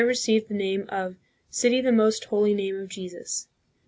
received the name of " City of the Most Holy Name of Jesus."